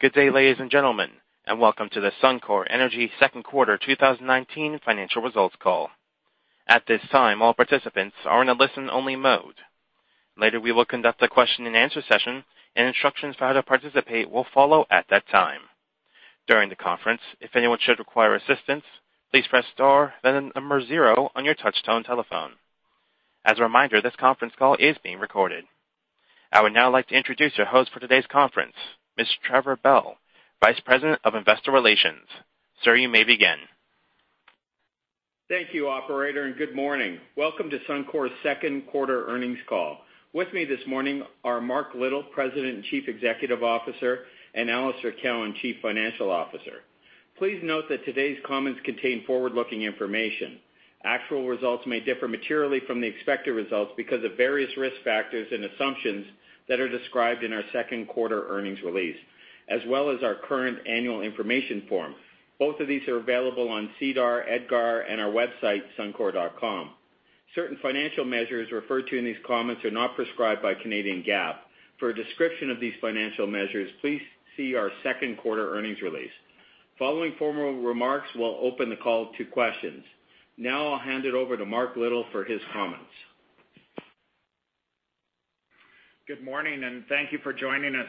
Good day, ladies and gentlemen, welcome to the Suncor Energy Second Quarter 2019 Financial Results Call. At this time, all participants are in a listen-only mode. Later, we will conduct a question and answer session, instructions for how to participate will follow at that time. During the conference, if anyone should require assistance, please press star, then the number 0 on your touch-tone telephone. As a reminder, this conference call is being recorded. I would now like to introduce your host for today's conference, Mr. Trevor Bell, Vice President, Investor Relations. Sir, you may begin. Thank you, operator. Good morning. Welcome to Suncor's second quarter earnings call. With me this morning are Mark Little, President and Chief Executive Officer, and Alister Cowan, Chief Financial Officer. Please note that today's comments contain forward-looking information. Actual results may differ materially from the expected results because of various risk factors and assumptions that are described in our second quarter earnings release, as well as our current annual information form. Both of these are available on SEDAR, EDGAR, and our website, suncor.com. Certain financial measures referred to in these comments are not prescribed by Canadian GAAP. For a description of these financial measures, please see our second quarter earnings release. Following formal remarks, we'll open the call to questions. Now, I'll hand it over to Mark Little for his comments. Good morning, and thank you for joining us.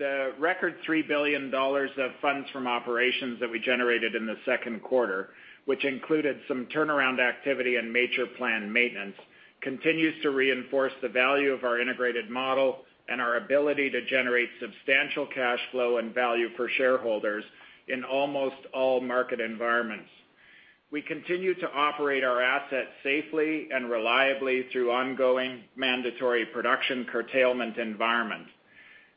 The record 3 billion dollars of funds from operations that we generated in the second quarter, which included some turnaround activity and major plant maintenance, continues to reinforce the value of our integrated model and our ability to generate substantial cash flow and value for shareholders in almost all market environments. We continue to operate our assets safely and reliably through ongoing mandatory production curtailment environments.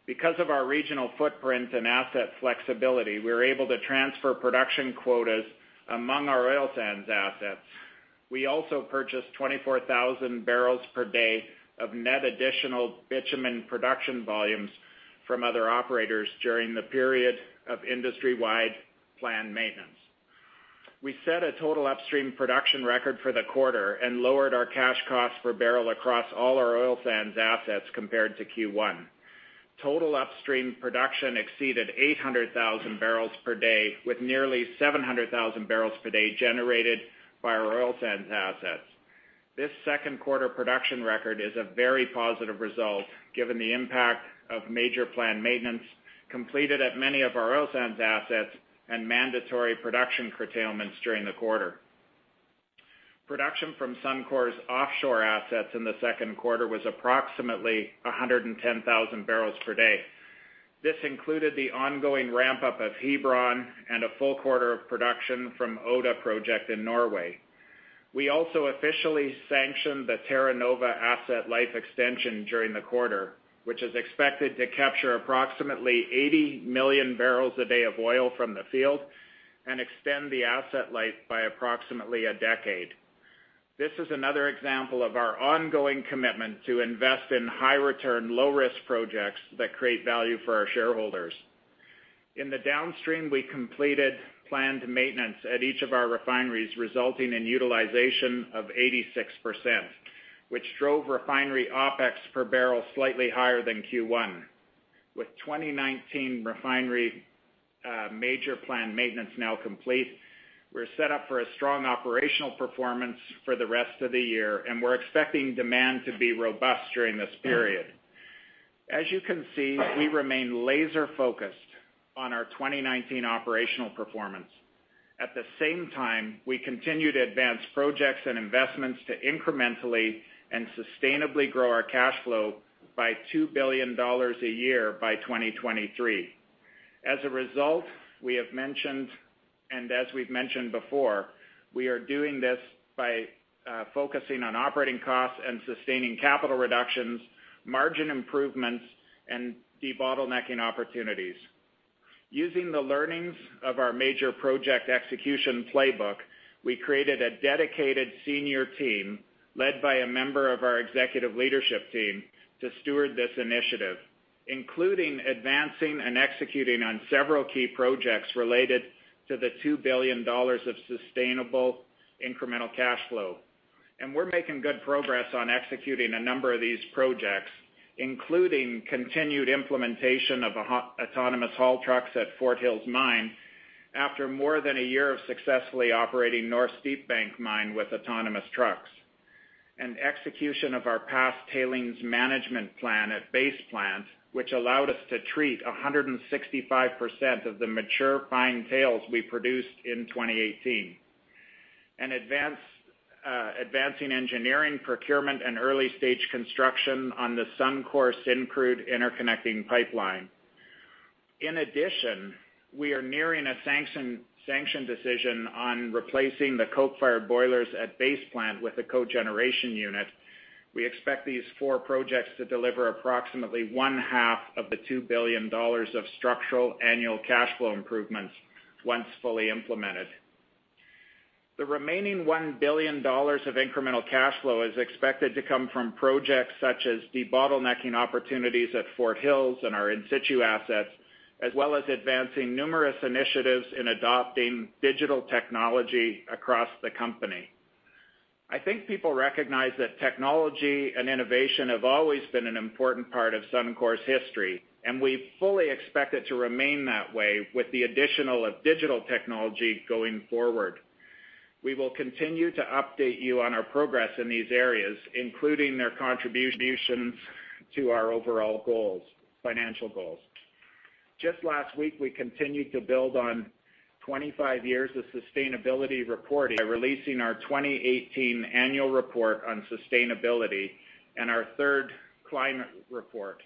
Because of our regional footprint and asset flexibility, we're able to transfer production quotas among our oil sands assets. We also purchased 24,000 barrels per day of net additional bitumen production volumes from other operators during the period of industry-wide planned maintenance. We set a total upstream production record for the quarter and lowered our cash cost per barrel across all our oil sands assets compared to Q1. Total upstream production exceeded 800,000 barrels per day, with nearly 700,000 barrels per day generated by our oil sands assets. This second quarter production record is a very positive result, given the impact of major planned maintenance completed at many of our oil sands assets and mandatory production curtailments during the quarter. Production from Suncor's offshore assets in the second quarter was approximately 110,000 barrels per day. This included the ongoing ramp-up of Hebron and a full quarter of production from Oda project in Norway. We also officially sanctioned the Terra Nova asset life extension during the quarter, which is expected to capture approximately 80 million barrels a day of oil from the field and extend the asset life by approximately a decade. This is another example of our ongoing commitment to invest in high-return, low-risk projects that create value for our shareholders. In the downstream, we completed planned maintenance at each of our refineries, resulting in utilization of 86%, which drove refinery OpEx per barrel slightly higher than Q1. With 2019 refinery major planned maintenance now complete, we're set up for a strong operational performance for the rest of the year, and we're expecting demand to be robust during this period. As you can see, we remain laser-focused on our 2019 operational performance. At the same time, we continue to advance projects and investments to incrementally and sustainably grow our cash flow by 2 billion dollars a year by 2023. As a result, and as we've mentioned before, we are doing this by focusing on operating costs and sustaining capital reductions, margin improvements, and debottlenecking opportunities. Using the learnings of our major project execution playbook, we created a dedicated senior team, led by a member of our executive leadership team, to steward this initiative, including advancing and executing on several key projects related to the 2 billion dollars of sustainable incremental cash flow. We're making good progress on executing a number of these projects, including continued implementation of autonomous haul trucks at Fort Hills Mine after more than a year of successfully operating North Steepbank Mine with autonomous trucks, and execution of our paste tailings management plan at Base Plant, which allowed us to treat 165% of the mature fine tailings we produced in 2018, and advancing engineering procurement and early-stage construction on the Suncor Syncrude interconnecting pipeline. In addition, we are nearing a sanction decision on replacing the coke fired boilers at Base Plant with a cogeneration unit. We expect these four projects to deliver approximately one-half of the 2 billion dollars of structural annual cash flow improvements once fully implemented. The remaining 1 billion dollars of incremental cash flow is expected to come from projects such as debottlenecking opportunities at Fort Hills and our in-situ assets, as well as advancing numerous initiatives in adopting digital technology across the company. I think people recognize that technology and innovation have always been an important part of Suncor's history, and we fully expect it to remain that way with the addition of digital technology going forward. We will continue to update you on our progress in these areas, including their contributions to our overall financial goals. Just last week, we continued to build on 25 years of sustainability reporting by releasing our 2018 Annual Report on Sustainability and our third Climate Report.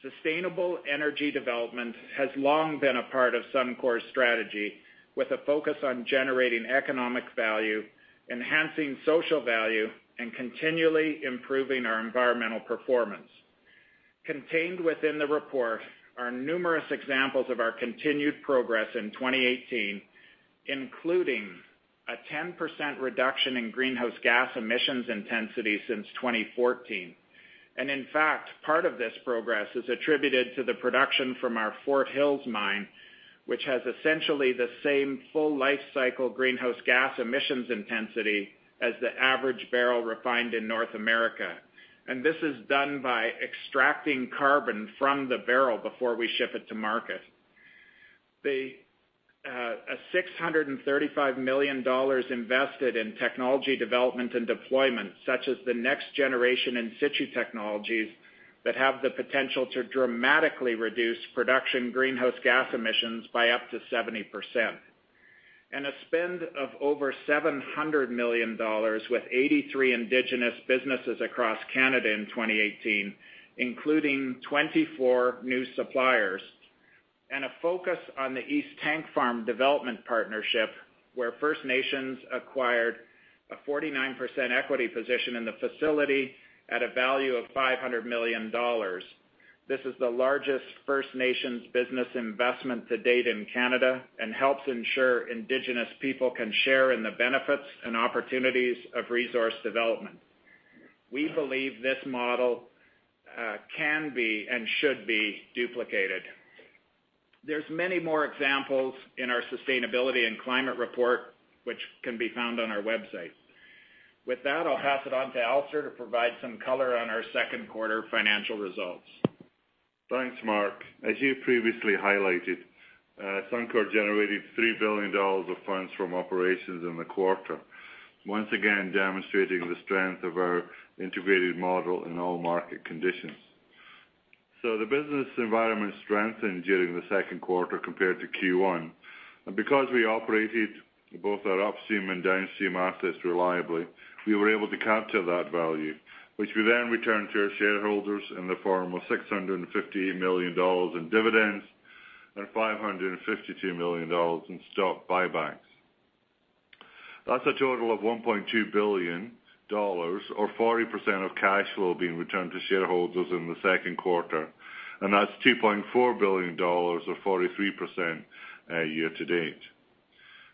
Sustainable energy development has long been a part of Suncor's strategy, with a focus on generating economic value, enhancing social value, and continually improving our environmental performance. Contained within the report are numerous examples of our continued progress in 2018, including a 10% reduction in greenhouse gas emissions intensity since 2014. In fact, part of this progress is attributed to the production from our Fort Hills mine, which has essentially the same full lifecycle greenhouse gas emissions intensity as the average barrel refined in North America. This is done by extracting carbon from the barrel before we ship it to market. 635 million dollars invested in technology development and deployment, such as the next generation in-situ technologies that have the potential to dramatically reduce production greenhouse gas emissions by up to 70%. A spend of over 700 million dollars with 83 indigenous businesses across Canada in 2018, including 24 new suppliers, and a focus on the East Tank Farm development partnership, where First Nations acquired a 49% equity position in the facility at a value of 500 million dollars. This is the largest First Nations business investment to date in Canada and helps ensure indigenous people can share in the benefits and opportunities of resource development. We believe this model can be and should be duplicated. There's many more examples in our sustainability and climate report, which can be found on our website. With that, I'll pass it on to Alister to provide some color on our second quarter financial results. Thanks, Mark. As you previously highlighted, Suncor generated 3 billion dollars of funds from operations in the quarter, once again demonstrating the strength of our integrated model in all market conditions. The business environment strengthened during the second quarter compared to Q1. Because we operated both our upstream and downstream assets reliably, we were able to capture that value, which we then returned to our shareholders in the form of 650 million dollars in dividends and 552 million dollars in stock buybacks. That's a total of 1.2 billion dollars or 40% of cash flow being returned to shareholders in the second quarter, and that's 2.4 billion dollars or 43% year to date.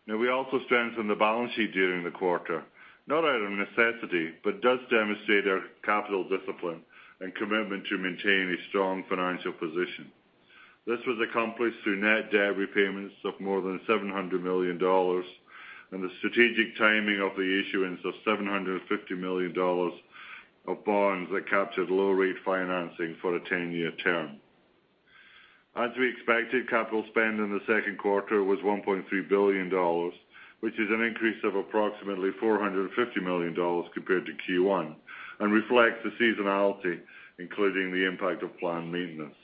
We also strengthened the balance sheet during the quarter, not out of necessity, but does demonstrate our capital discipline and commitment to maintain a strong financial position. This was accomplished through net debt repayments of more than 700 million dollars and the strategic timing of the issuance of 750 million dollars of bonds that captured low rate financing for a 10-year term. As we expected, capital spend in the second quarter was 1.3 billion dollars, which is an increase of approximately 450 million dollars compared to Q1 and reflects the seasonality, including the impact of planned maintenance.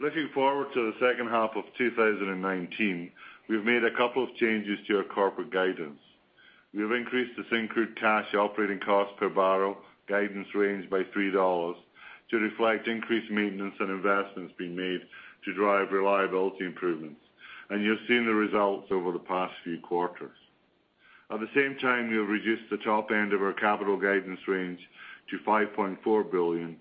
Looking forward to the second half of 2019, we've made a couple of changes to our corporate guidance. We have increased the Syncrude cash operating cost per barrel guidance range by 3 dollars to reflect increased maintenance and investments being made to drive reliability improvements. You've seen the results over the past few quarters. At the same time, we have reduced the top end of our capital guidance range to 5.4 billion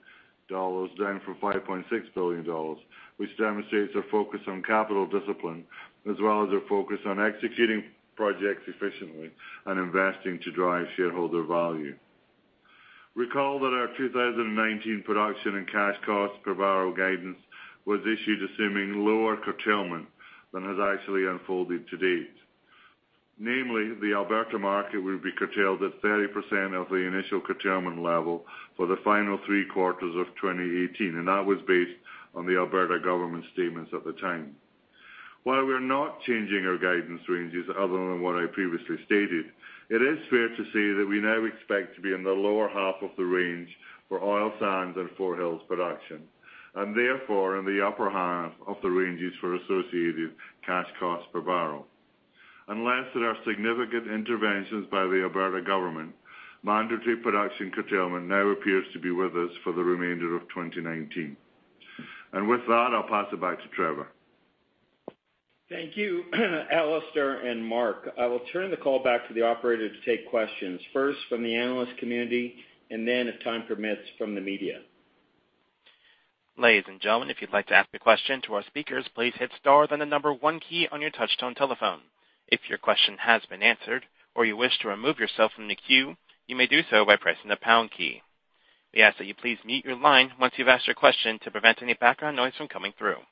dollars down from 5.6 billion dollars, which demonstrates a focus on capital discipline, as well as a focus on executing projects efficiently and investing to drive shareholder value. Recall that our 2019 production and cash cost per barrel guidance was issued assuming lower curtailment than has actually unfolded to date. Namely, the Alberta market will be curtailed at 30% of the initial curtailment level for the final three quarters of 2018, and that was based on the Alberta government statements at the time. While we're not changing our guidance ranges other than what I previously stated, it is fair to say that we now expect to be in the lower half of the range for oil sands and Fort Hills production, and therefore in the upper half of the ranges for associated cash costs per barrel. Unless there are significant interventions by the Alberta government, mandatory production curtailment now appears to be with us for the remainder of 2019. With that, I'll pass it back to Trevor. Thank you, Alister and Mark. I will turn the call back to the operator to take questions, first from the analyst community and then if time permits from the media. Ladies and gentlemen, if you'd like to ask a question to our speakers, please hit star then the number one key on your touch-tone telephone. If your question has been answered or you wish to remove yourself from the queue, you may do so by pressing the pound key. We ask that you please mute your line once you've asked your question to prevent any background noise from coming through.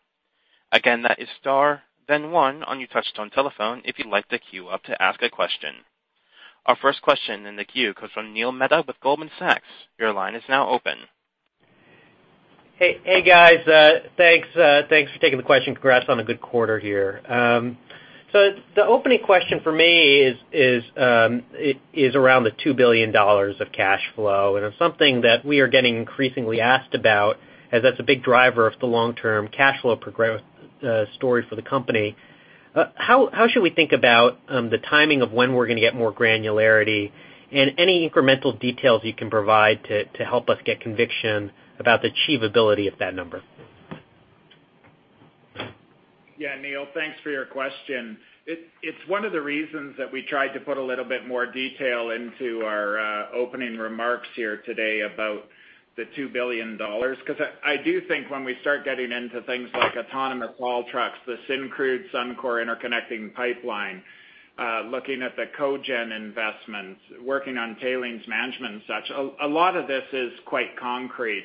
Again, that is star, then one on your touch-tone telephone if you'd like to queue up to ask a question. Our first question in the queue comes from Neil Mehta with Goldman Sachs. Your line is now open. Hey, guys. Thanks for taking the question. Congrats on a good quarter here. The opening question for me is around the 2 billion dollars of cash flow. It's something that we are getting increasingly asked about, as that's a big driver of the long-term cash flow progress story for the company. How should we think about the timing of when we're going to get more granularity? Any incremental details you can provide to help us get conviction about the achievability of that number. Yeah, Neil, thanks for your question. It's one of the reasons that we tried to put a little bit more detail into our opening remarks here today about the 2 billion dollars. I do think when we start getting into things like autonomous haul trucks, the Suncor Syncrude interconnecting pipeline, looking at the cogen investments, working on tailings management and such, a lot of this is quite concrete.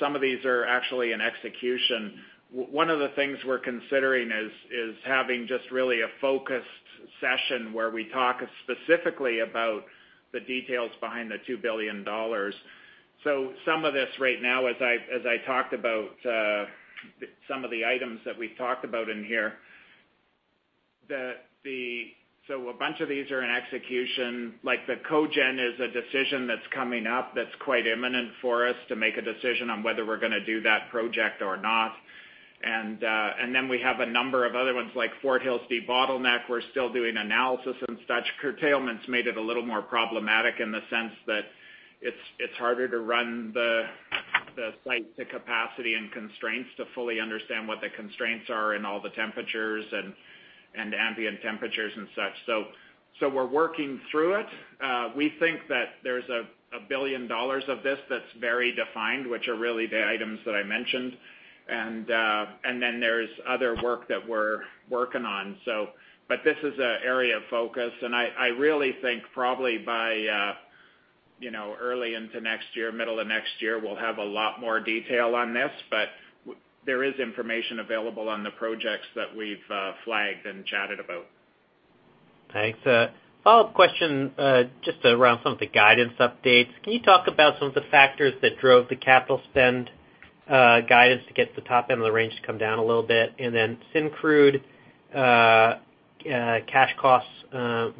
Some of these are actually in execution. One of the things we're considering is having just really a focused session where we talk specifically about the details behind the 2 billion dollars. Some of this right now, as I talked about some of the items that we've talked about in here, a bunch of these are in execution. Like the cogen is a decision that's coming up that's quite imminent for us to make a decision on whether we're going to do that project or not. We have a number of other ones like Fort Hills debottleneck. We're still doing analysis and such. Curtailments made it a little more problematic in the sense that it's harder to run the site to capacity and constraints to fully understand what the constraints are and all the temperatures and ambient temperatures and such. We're working through it. We think that there's 1 billion dollars of this that's very defined, which are really the items that I mentioned. There's other work that we're working on. This is an area of focus, and I really think probably by early into next year, middle of next year, we'll have a lot more detail on this. There is information available on the projects that we've flagged and chatted about. Thanks. A follow-up question, just around some of the guidance updates. Can you talk about some of the factors that drove the capital spend guidance to get the top end of the range to come down a little bit? Syncrude cash costs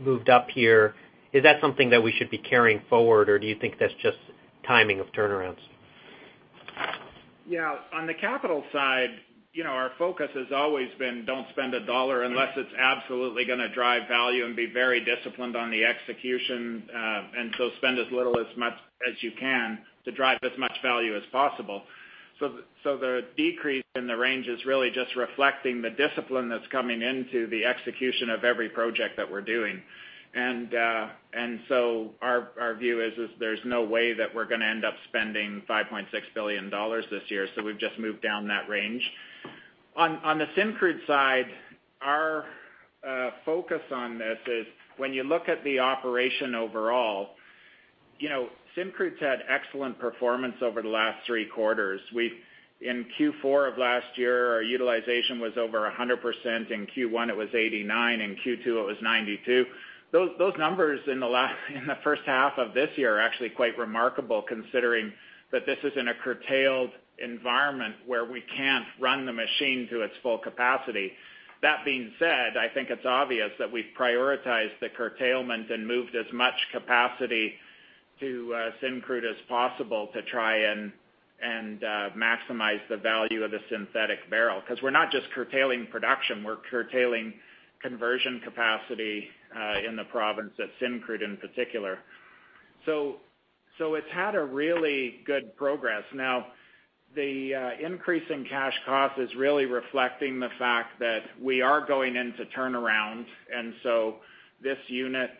moved up here. Is that something that we should be carrying forward, or do you think that's just timing of turnarounds? On the capital side, our focus has always been don't spend a CAD 1 unless it's absolutely going to drive value and be very disciplined on the execution. Spend as little as much as you can to drive as much value as possible. The decrease in the range is really just reflecting the discipline that's coming into the execution of every project that we're doing. Our view is there's no way that we're going to end up spending 5.6 billion dollars this year, so we've just moved down that range. On the Syncrude side, our focus on this is when you look at the operation overall, Syncrude's had excellent performance over the last three quarters. In Q4 of last year, our utilization was over 100%. In Q1, it was 89%. In Q2, it was 92%. Those numbers in the first half of this year are actually quite remarkable, considering that this is in a curtailed environment where we can't run the machine to its full capacity. That being said, I think it's obvious that we've prioritized the curtailment and moved as much capacity to Syncrude as possible to try and maximize the value of the synthetic barrel, because we're not just curtailing production. We're curtailing conversion capacity in the province at Syncrude in particular. It's had a really good progress. Now, the increase in cash cost is really reflecting the fact that we are going into turnaround. This unit,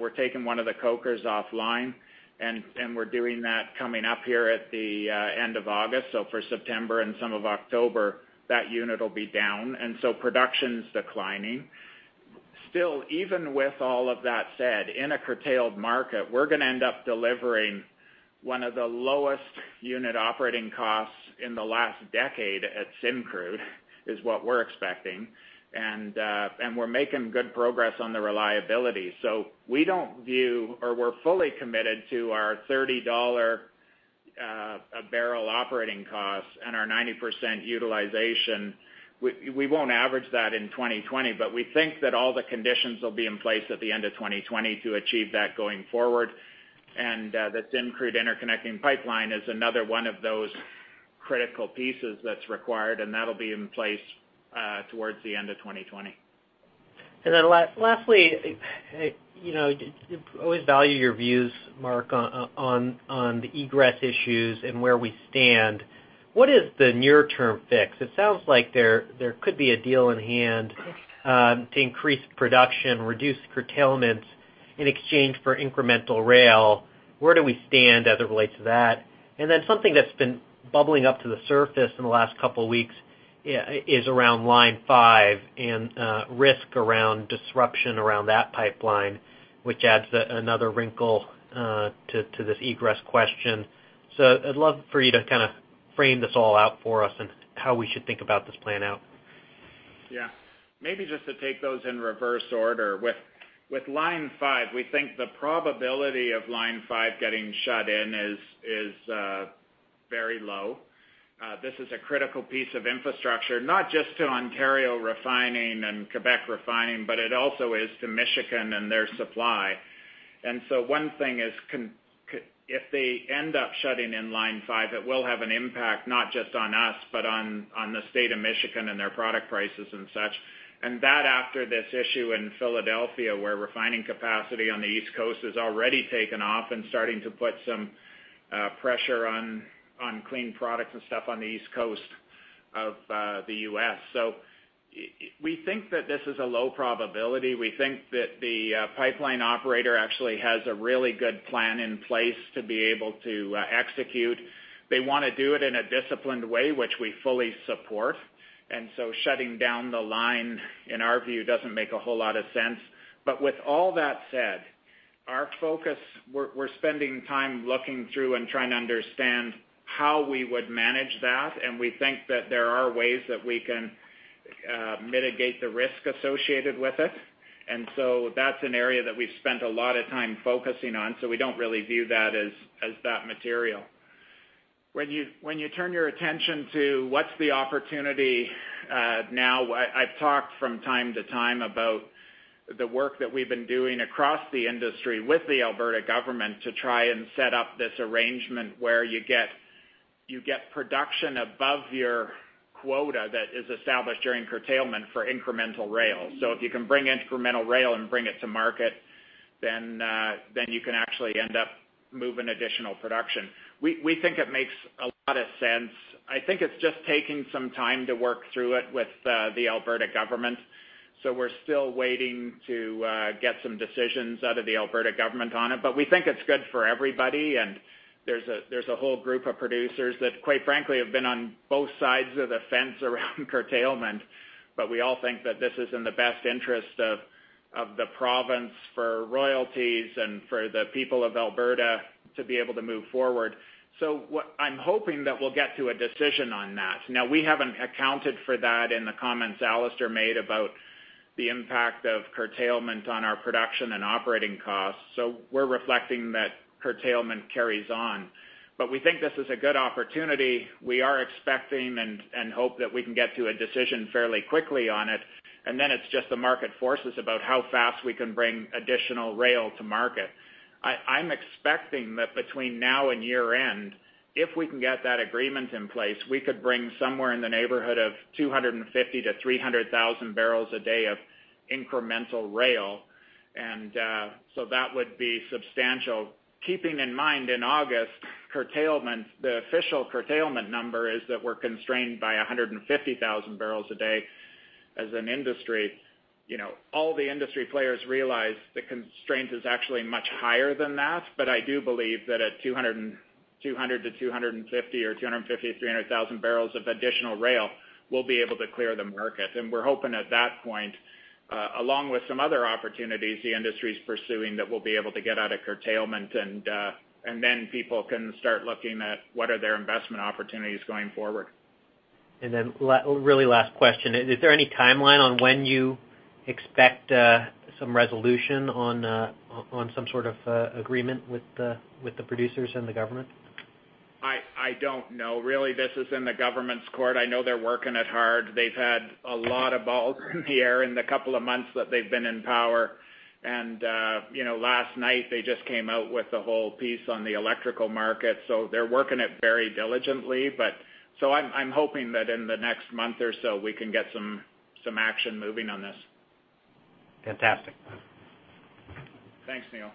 we're taking one of the cokers offline, and we're doing that coming up here at the end of August. For September and some of October, that unit will be down. Production's declining. Still, even with all of that said, in a curtailed market, we're going to end up delivering one of the lowest unit operating costs in the last decade at Syncrude, is what we're expecting. We're making good progress on the reliability. We're fully committed to our 30 dollar a barrel operating cost and our 90% utilization. We won't average that in 2020, but we think that all the conditions will be in place at the end of 2020 to achieve that going forward. The Syncrude interconnecting pipeline is another one of those critical pieces that's required, and that'll be in place towards the end of 2020. Lastly, always value your views, Mark, on the egress issues and where we stand. What is the near-term fix? It sounds like there could be a deal in hand to increase production, reduce curtailments in exchange for incremental rail. Where do we stand as it relates to that? Something that's been bubbling up to the surface in the last couple of weeks is around Line 5 and risk around disruption around that pipeline, which adds another wrinkle to this egress question. I'd love for you to kind of frame this all out for us and how we should think about this playing out. Yeah. Maybe just to take those in reverse order. With Line 5, we think the probability of Line 5 getting shut in is very low. This is a critical piece of infrastructure, not just to Ontario refining and Quebec refining, but it also is to Michigan and their supply. One thing is, if they end up shutting in Line 5, it will have an impact, not just on us, but on the state of Michigan and their product prices and such. After this issue in Philadelphia, where refining capacity on the East Coast has already taken off and starting to put some pressure on clean products and stuff on the East Coast of the U.S. We think that this is a low probability. We think that the pipeline operator actually has a really good plan in place to be able to execute. They want to do it in a disciplined way, which we fully support. Shutting down the line, in our view, doesn't make a whole lot of sense. With all that said, our focus, we're spending time looking through and trying to understand how we would manage that, and we think that there are ways that we can mitigate the risk associated with it. That's an area that we've spent a lot of time focusing on. We don't really view that as that material. When you turn your attention to what's the opportunity now, I've talked from time to time about the work that we've been doing across the industry with the Alberta government to try and set up this arrangement where you get production above your quota that is established during curtailment for incremental rail. If you can bring incremental rail and bring it to market, then you can actually end up moving additional production. We think it makes a lot of sense. I think it's just taking some time to work through it with the Alberta government. We're still waiting to get some decisions out of the Alberta government on it, but we think it's good for everybody, and there's a whole group of producers that, quite frankly, have been on both sides of the fence around curtailment, but we all think that this is in the best interest of the province for royalties and for the people of Alberta to be able to move forward. What I'm hoping that we'll get to a decision on that. Now, we haven't accounted for that in the comments Alister made about the impact of curtailment on our production and operating costs. We're reflecting that curtailment carries on. We think this is a good opportunity. We are expecting and hope that we can get to a decision fairly quickly on it, and then it's just the market forces about how fast we can bring additional rail to market. I'm expecting that between now and year-end, if we can get that agreement in place, we could bring somewhere in the neighborhood of 250,000-300,000 barrels a day of incremental rail. That would be substantial. Keeping in mind, in August, the official curtailment number is that we're constrained by 150,000 barrels a day as an industry. All the industry players realize the constraint is actually much higher than that. I do believe that at 200,000-250,000 or 250,000-300,000 barrels of additional rail, we'll be able to clear the market. We're hoping at that point, along with some other opportunities the industry's pursuing, that we'll be able to get out of curtailment and then people can start looking at what are their investment opportunities going forward. Really last question. Is there any timeline on when you expect some resolution on some sort of agreement with the producers and the government? I don't know. Really, this is in the government's court. I know they're working it hard. They've had a lot of balls in the air in the couple of months that they've been in power. Last night they just came out with a whole piece on the electrical market. They're working it very diligently. I'm hoping that in the next month or so, we can get some action moving on this. Fantastic. Thanks, Neil.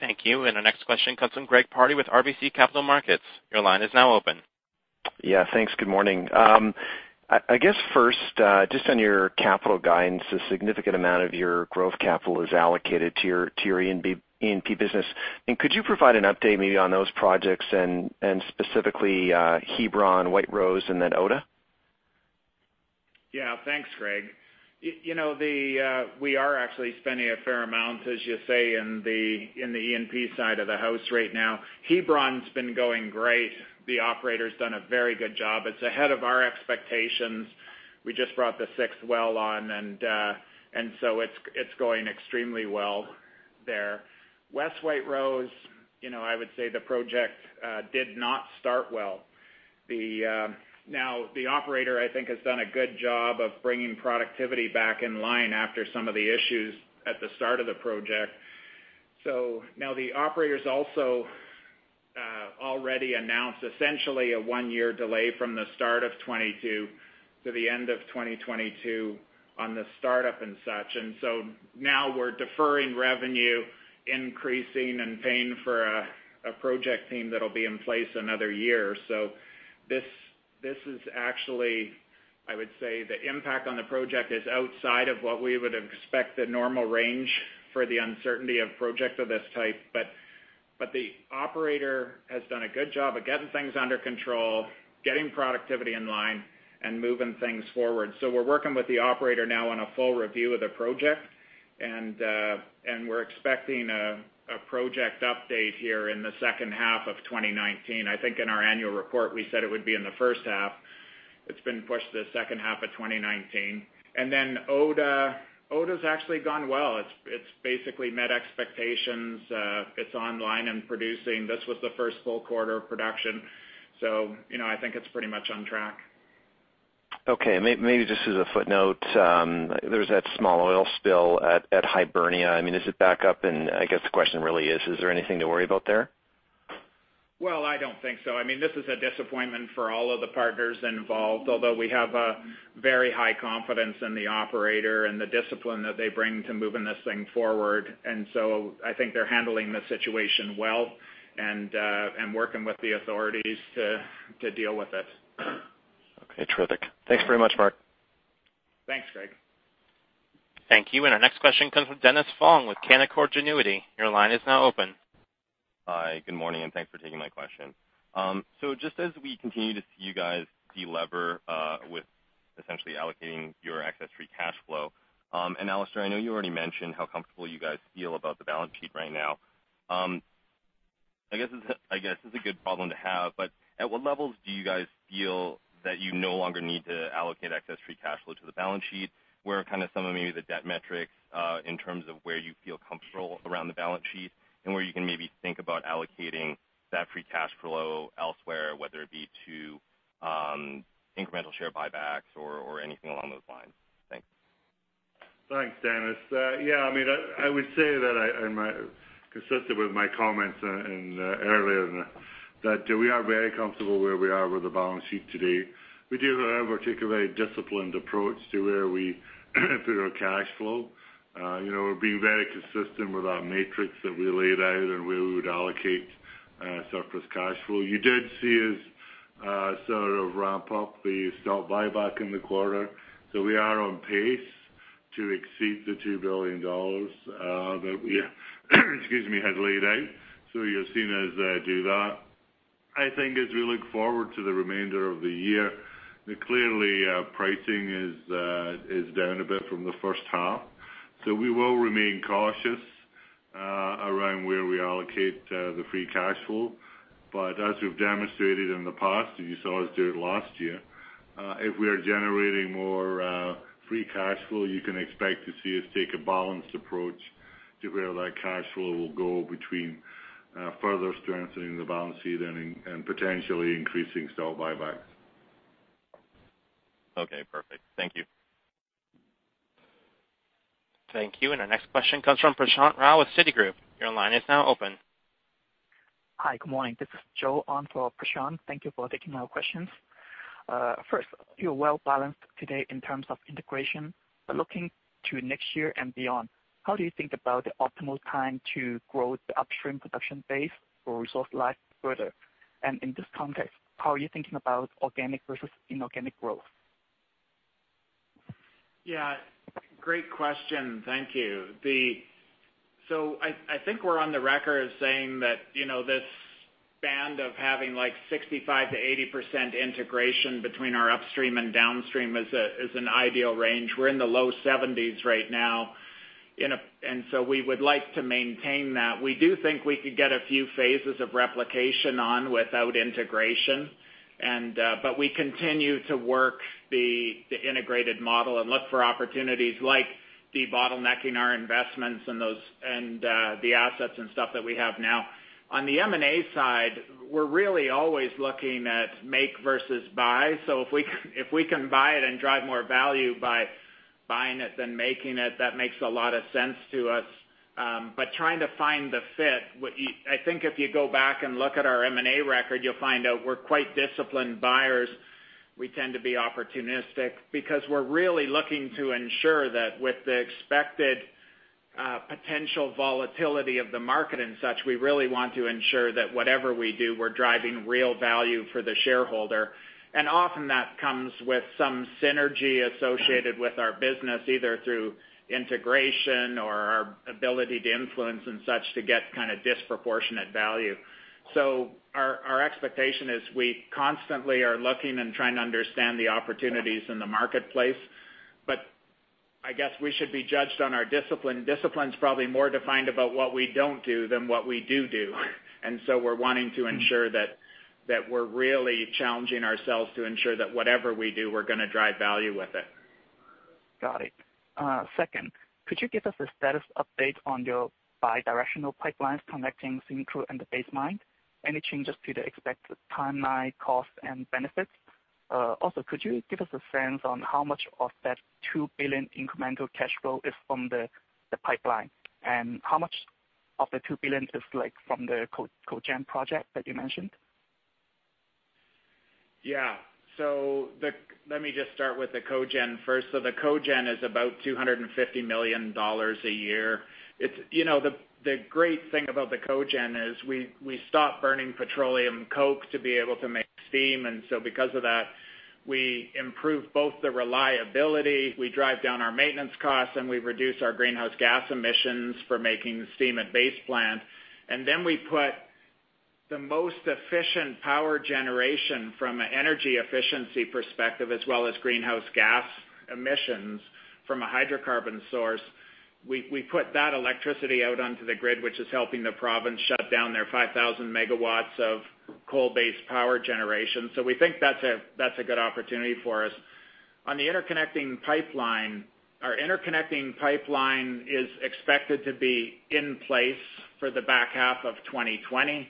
Thank you. Our next question comes from Greg Pardy with RBC Capital Markets. Your line is now open. Yeah, thanks. Good morning. I guess first, just on your capital guidance, a significant amount of your growth capital is allocated to your E&P business. Could you provide an update maybe on those projects and specifically Hebron, White Rose, and then Oda? Thanks, Greg. We are actually spending a fair amount, as you say, in the E&P side of the house right now. Hebron's been going great. The operator's done a very good job. It's ahead of our expectations. We just brought the sixth well on, it's going extremely well there. West White Rose, I would say the project did not start well. Now, the operator, I think, has done a good job of bringing productivity back in line after some of the issues at the start of the project. Now the operator's also already announced essentially a one-year delay from the start of 2022 to the end of 2022 on the startup and such. Now we're deferring revenue, increasing, and paying for a project team that'll be in place another year. This is actually, I would say, the impact on the project is outside of what we would expect the normal range for the uncertainty of project of this type. The operator has done a good job of getting things under control, getting productivity in line, and moving things forward. We're expecting a project update here in the second half of 2019. I think in our annual report, we said it would be in the first half. It's been pushed to the second half of 2019. Oda. Oda's actually gone well. It's basically met expectations. It's online and producing. This was the first full quarter of production, so I think it's pretty much on track. Okay. Maybe just as a footnote, there's that small oil spill at Hibernia. Is it back up? I guess the question really is there anything to worry about there? Well, I don't think so. This is a disappointment for all of the partners involved, although we have a very high confidence in the operator and the discipline that they bring to moving this thing forward. I think they're handling the situation well and working with the authorities to deal with it. Okay, terrific. Thanks very much, Mark. Thanks, Greg. Thank you. Our next question comes from Dennis Fong with Canaccord Genuity. Your line is now open. Hi, good morning, thanks for taking my question. Just as we continue to see you guys de-lever with essentially allocating your excess free cash flow, Alister, I know you already mentioned how comfortable you guys feel about the balance sheet right now. I guess, this is a good problem to have, at what levels do you guys feel that you no longer need to allocate excess free cash flow to the balance sheet? Where are some of maybe the debt metrics, in terms of where you feel comfortable around the balance sheet? Where you can maybe think about allocating that free cash flow elsewhere, whether it be to incremental share buybacks or anything along those lines? Thanks. Thanks, Dennis. Yeah, I would say that consistent with my comments earlier, that we are very comfortable where we are with the balance sheet today. We do, however, take a very disciplined approach to where we put our cash flow. We're being very consistent with our matrix that we laid out and where we would allocate surplus cash flow. You did see us sort of ramp up the stock buyback in the quarter. We are on pace to exceed the 2 billion dollars that we had laid out. You're seeing us do that. I think as we look forward to the remainder of the year, clearly, pricing is down a bit from the first half. We will remain cautious around where we allocate the free cash flow. As we've demonstrated in the past, and you saw us do it last year, if we are generating more free cash flow, you can expect to see us take a balanced approach to where that cash flow will go between further strengthening the balance sheet and potentially increasing stock buybacks. Okay, perfect. Thank you. Thank you. Our next question comes from Prashant Rao with Citigroup. Your line is now open. Hi. Good morning. This is Joe on for Prashant. Thank you for taking our questions. First, you're well-balanced today in terms of integration, but looking to next year and beyond, how do you think about the optimal time to grow the upstream production base or resource life further? In this context, how are you thinking about organic versus inorganic growth? Yeah. Great question. Thank you. I think we're on the record as saying that this band of having like 65%-80% integration between our upstream and downstream is an ideal range. We're in the low 70s right now. We would like to maintain that. We do think we could get a few phases of replication on without integration. We continue to work the integrated model and look for opportunities like debottlenecking our investments and the assets and stuff that we have now. On the M&A side, we're really always looking at make versus buy. If we can buy it and drive more value by buying it than making it, that makes a lot of sense to us. Trying to find the fit, I think if you go back and look at our M&A record, you'll find out we're quite disciplined buyers. We tend to be opportunistic because we're really looking to ensure that with the expected potential volatility of the market and such, we really want to ensure that whatever we do, we're driving real value for the shareholder. Often that comes with some synergy associated with our business, either through integration or our ability to influence and such to get kind of disproportionate value. Our expectation is we constantly are looking and trying to understand the opportunities in the marketplace. I guess we should be judged on our discipline. Discipline's probably more defined about what we don't do than what we do. We're wanting to ensure that we're really challenging ourselves to ensure that whatever we do, we're going to drive value with it. Got it. Second, could you give us a status update on your bi-directional pipelines connecting Syncrude and the base mine? Any changes to the expected timeline, cost, and benefits? Could you give us a sense on how much of that 2 billion incremental cash flow is from the pipeline? How much of the 2 billion is from the cogen project that you mentioned? Yeah. Let me just start with the cogen first. The cogen is about 250 million dollars a year. The great thing about the cogen is we stop burning petroleum coke to be able to make steam. Because of that, we improve both the reliability, we drive down our maintenance costs, and we reduce our greenhouse gas emissions for making the steam at base plant. We put the most efficient power generation from an energy efficiency perspective, as well as greenhouse gas emissions from a hydrocarbon source. We put that electricity out onto the grid, which is helping the province shut down their 5,000 MW of coal-based power generation. We think that's a good opportunity for us. On the interconnecting pipeline, our interconnecting pipeline is expected to be in place for the back half of 2020.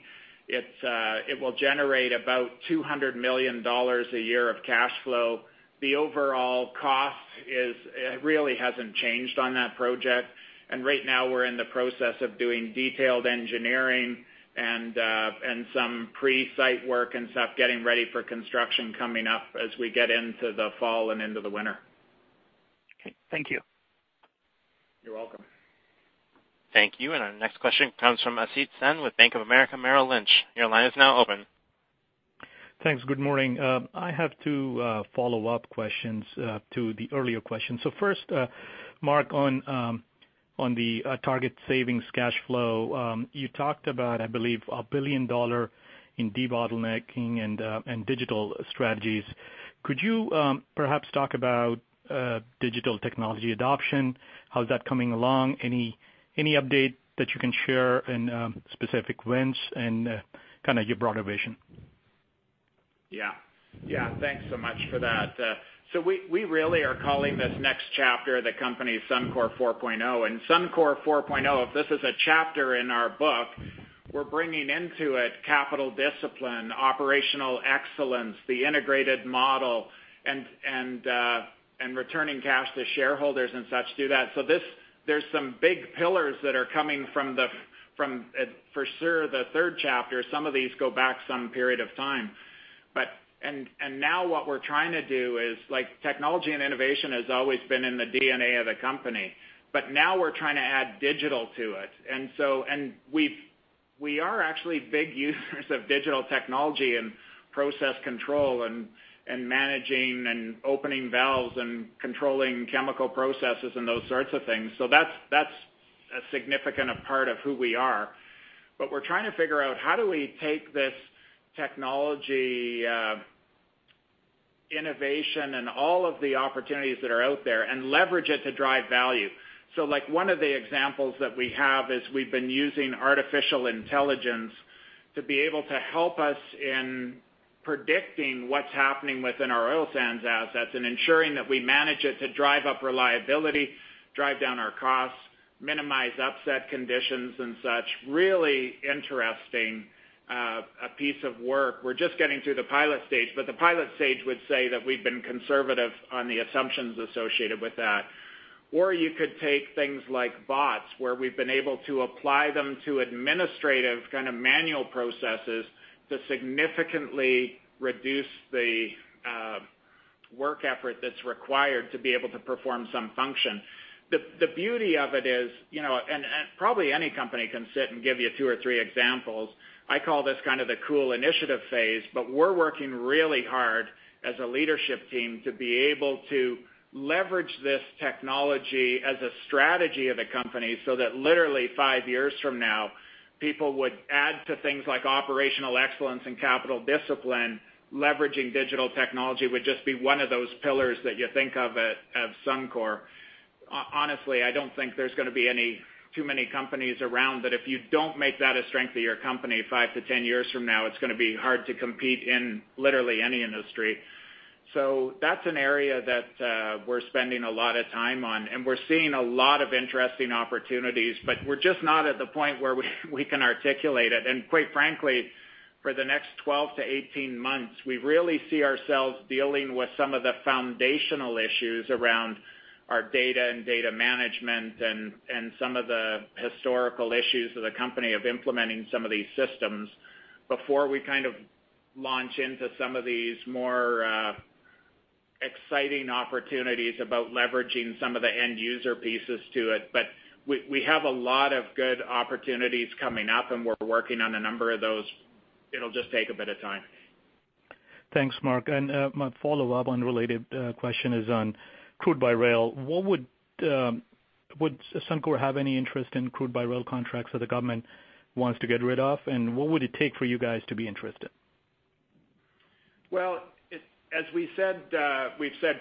It will generate about 200 million dollars a year of cash flow. The overall cost, it really hasn't changed on that project. Right now, we're in the process of doing detailed engineering and some pre-site work and stuff, getting ready for construction coming up as we get into the fall and into the winter. Okay, thank you. You're welcome. Thank you. Our next question comes from Asit Sen with Bank of America Merrill Lynch. Your line is now open. Thanks. Good morning. I have two follow-up questions to the earlier question. First, Mark, on the target savings cash flow, you talked about, I believe, 1 billion dollar in debottlenecking and digital strategies. Could you perhaps talk about digital technology adoption? How's that coming along? Any update that you can share and specific wins and kind of your broader vision? Yeah. Thanks so much for that. We really are calling this next chapter of the company Suncor 4.0. Suncor 4.0, if this is a chapter in our book, we're bringing into it capital discipline, operational excellence, the integrated model, and returning cash to shareholders and such through that. There's some big pillars that are coming from, for sure, the third chapter. Some of these go back some period of time. Now what we're trying to do is, technology and innovation has always been in the DNA of the company, but now we're trying to add digital to it. We are actually big users of digital technology in process control and managing and opening valves and controlling chemical processes and those sorts of things. That's a significant part of who we are. We're trying to figure out how do we take this technology innovation and all of the opportunities that are out there and leverage it to drive value. One of the examples that we have is we've been using artificial intelligence to be able to help us in predicting what's happening within our oil sands assets and ensuring that we manage it to drive up reliability, drive down our costs, minimize upset conditions, and such. Really interesting piece of work. We're just getting through the pilot stage, but the pilot stage would say that we've been conservative on the assumptions associated with that. You could take things like bots, where we've been able to apply them to administrative kind of manual processes to significantly reduce the work effort that's required to be able to perform some function. The beauty of it is, and probably any company can sit and give you two or three examples. I call this kind of the cool initiative phase, but we're working really hard as a leadership team to be able to leverage this technology as a strategy of the company so that literally 5 years from now, people would add to things like operational excellence and capital discipline. Leveraging digital technology would just be one of those pillars that you think of at Suncor. Honestly, I don't think there's going to be too many companies around that if you don't make that a strength of your company 5-10 years from now, it's going to be hard to compete in literally any industry. That's an area that we're spending a lot of time on, and we're seeing a lot of interesting opportunities, but we're just not at the point where we can articulate it. Quite frankly, for the next 12 to 18 months, we really see ourselves dealing with some of the foundational issues around our data and data management and some of the historical issues of the company of implementing some of these systems before we kind of launch into some of these more exciting opportunities about leveraging some of the end-user pieces to it. We have a lot of good opportunities coming up, and we're working on a number of those. It'll just take a bit of time. Thanks, Mark. My follow-up unrelated question is on crude by rail. Would Suncor have any interest in crude by rail contracts that the government wants to get rid of? What would it take for you guys to be interested? As we've said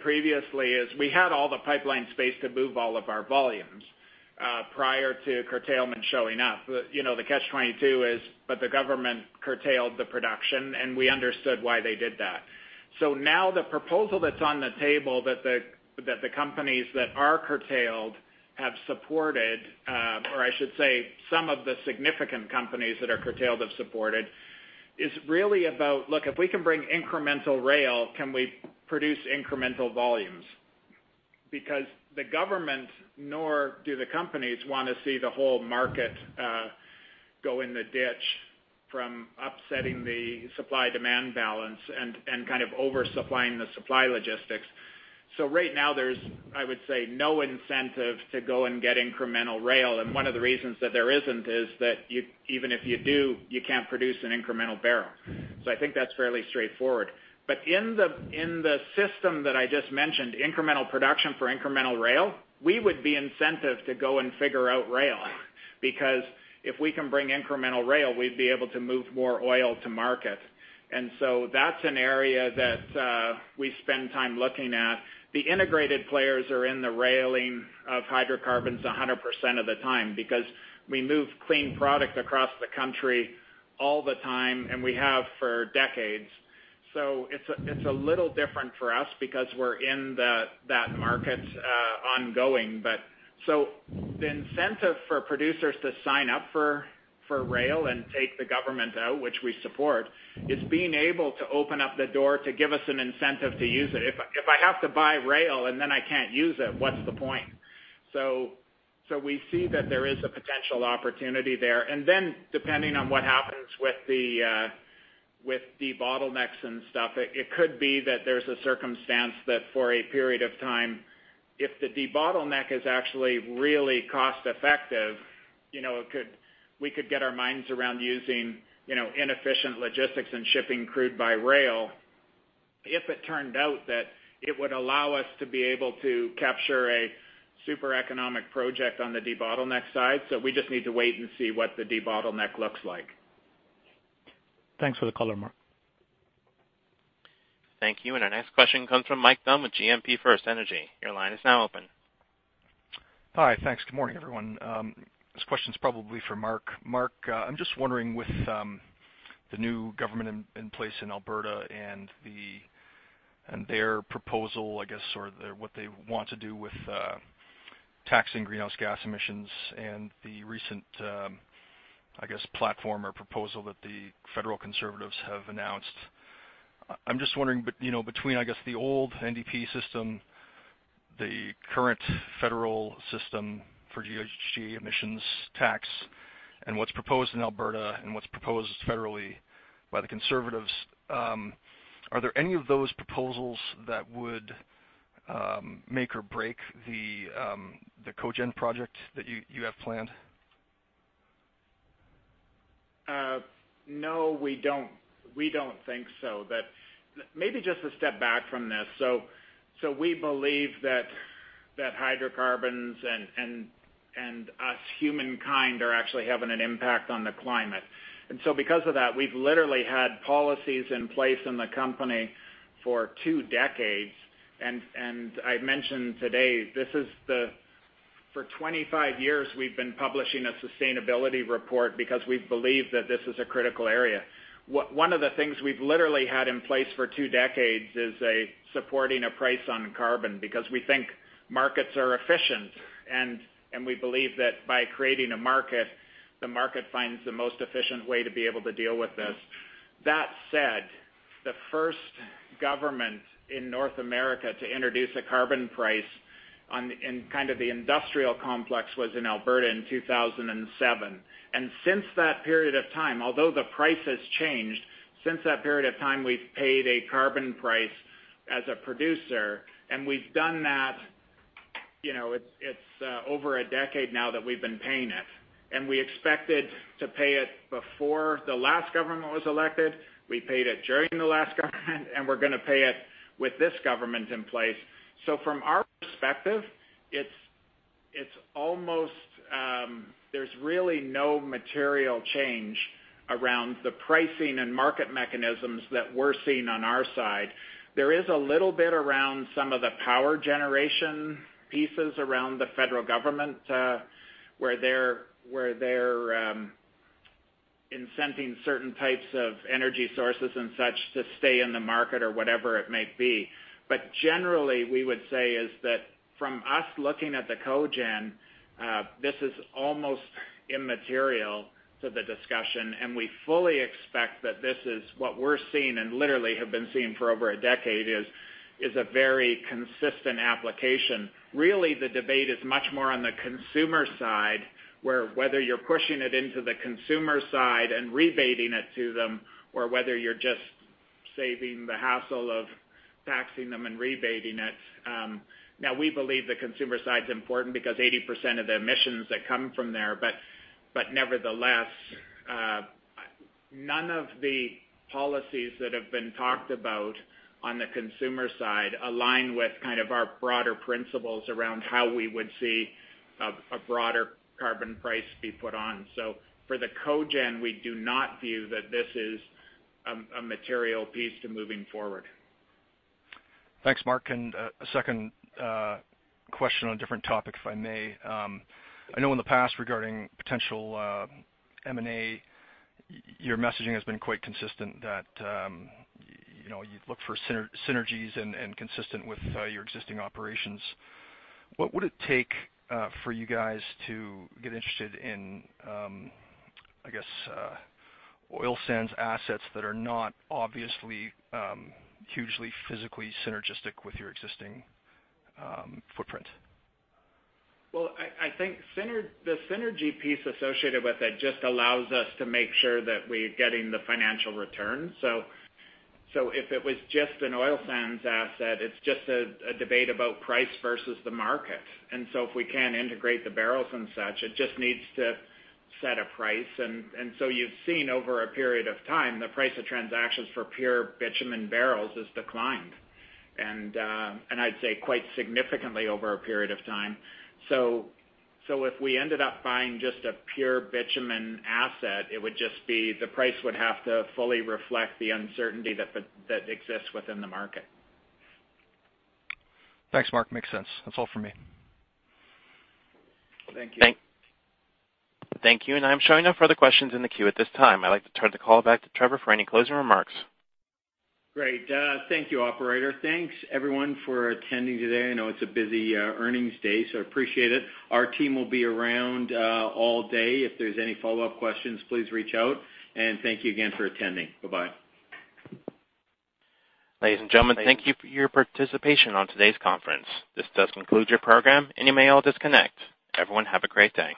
previously is we had all the pipeline space to move all of our volumes prior to curtailment showing up. The catch-22 is, the government curtailed the production. We understood why they did that. Now the proposal that's on the table that the companies that are curtailed have supported, or I should say some of the significant companies that are curtailed have supported, is really about, look, if we can bring incremental rail, can we produce incremental volumes? The government, nor do the companies, want to see the whole market go in the ditch from upsetting the supply-demand balance and kind of oversupplying the supply logistics. Right now there's, I would say, no incentive to go and get incremental rail. One of the reasons that there isn't is that even if you do, you can't produce an incremental barrel. I think that's fairly straightforward. In the system that I just mentioned, incremental production for incremental rail, we would be incented to go and figure out rail. Because if we can bring incremental rail, we'd be able to move more oil to market. That's an area that we spend time looking at. The integrated players are in the railing of hydrocarbons 100% of the time because we move clean product across the country all the time, and we have for decades. It's a little different for us because we're in that market ongoing. The incentive for producers to sign up for rail and take the government out, which we support, is being able to open up the door to give us an incentive to use it. If I have to buy rail and then I can't use it, what's the point? We see that there is a potential opportunity there. Depending on what happens with debottlenecks and stuff, it could be that there's a circumstance that for a period of time, if the debottleneck is actually really cost-effective, we could get our minds around using inefficient logistics and shipping crude by rail, if it turned out that it would allow us to be able to capture a super economic project on the debottleneck side. We just need to wait and see what the debottleneck looks like. Thanks for the color, Mark. Thank you. Our next question comes from Mike Dunn with GMP FirstEnergy. Your line is now open. Hi. Thanks. Good morning, everyone. This question's probably for Mark. Mark, I'm just wondering with the new government in place in Alberta and their proposal, I guess, or what they want to do with taxing greenhouse gas emissions and the recent, I guess, platform or proposal that the federal conservatives have announced. I'm just wondering, between, I guess, the old NDP system, the current federal system for GHG emissions tax, and what's proposed in Alberta, and what's proposed federally by the conservatives, are there any of those proposals that would make or break the cogen project that you have planned? No, we don't think so. Maybe just to step back from this. We believe that hydrocarbons and us humankind are actually having an impact on the climate. Because of that, we've literally had policies in place in the company for two decades. I mentioned today, for 25 years, we've been publishing a sustainability report because we believe that this is a critical area. One of the things we've literally had in place for two decades is supporting a price on carbon because we think markets are efficient, and we believe that by creating a market, the market finds the most efficient way to be able to deal with this. That said, the first government in North America to introduce a carbon price in the industrial complex was in Alberta in 2007. Since that period of time, although the price has changed, since that period of time, we've paid a carbon price as a producer, and we've done that. It's over a decade now that we've been paying it, and we expected to pay it before the last government was elected. We paid it during the last government, and we're going to pay it with this government in place. From our perspective, there's really no material change around the pricing and market mechanisms that we're seeing on our side. There is a little bit around some of the power generation pieces around the federal government, where they're incenting certain types of energy sources and such to stay in the market or whatever it may be. Generally, we would say is that from us looking at the cogen, this is almost immaterial to the discussion, and we fully expect that this is what we're seeing and literally have been seeing for over a decade is a very consistent application. The debate is much more on the consumer side, where whether you're pushing it into the consumer side and rebating it to them, or whether you're just saving the hassle of taxing them and rebating it. We believe the consumer side's important because 80% of the emissions that come from there, but nevertheless, none of the policies that have been talked about on the consumer side align with our broader principles around how we would see a broader carbon price be put on. For the cogen, we do not view that this is a material piece to moving forward. Thanks, Mark. A second question on a different topic, if I may. I know in the past regarding potential M&A, your messaging has been quite consistent that you look for synergies and consistent with your existing operations. What would it take for you guys to get interested in, I guess, oil sands assets that are not obviously hugely physically synergistic with your existing footprint? Well, I think the synergy piece associated with it just allows us to make sure that we're getting the financial return. If it was just an oil sands asset, it's just a debate about price versus the market. If we can't integrate the barrels and such, it just needs to set a price. You've seen over a period of time, the price of transactions for pure bitumen barrels has declined. I'd say quite significantly over a period of time. If we ended up buying just a pure bitumen asset, the price would have to fully reflect the uncertainty that exists within the market. Thanks, Mark. Makes sense. That's all for me. Thank you. Thank you. I'm showing no further questions in the queue at this time. I'd like to turn the call back to Trevor for any closing remarks. Great. Thank you, operator. Thanks everyone for attending today. I know it's a busy earnings day, so appreciate it. Our team will be around all day. If there's any follow-up questions, please reach out. Thank you again for attending. Bye-bye. Ladies and gentlemen, thank you for your participation on today's conference. This does conclude your program, and you may all disconnect. Everyone have a great day.